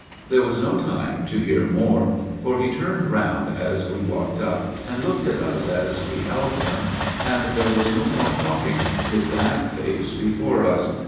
There was no time to hear more, for he turned round as he walked up and looked at us as we held him, MONSIGNOR MAXWELL'S TALE 27 and there was no more talking, with that face before us.